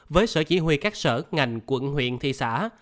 với sở chỉ huy các sở ngành quận huyện thị xã